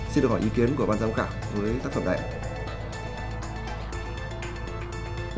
xin được hỏi ý kiến của ban giám khảo với tác phẩm này